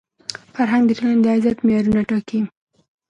فرهنګ د ټولني د عزت معیارونه ټاکي.